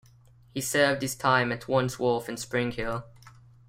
He served his time at Wandsworth and Spring Hill.